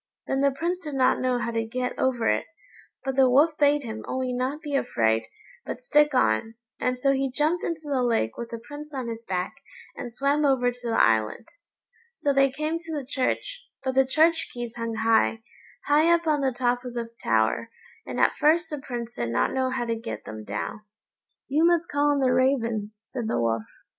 Then the Prince did not know how to get over it, but the Wolf bade him only not be afraid, but stick on, and so he jumped into the lake with the Prince on his back, and swam over to the island. So they came to the church; but the church keys hung high, high up on the top of the tower, and at first the Prince did not know how to get them down. "You must call on the raven," said the Wolf.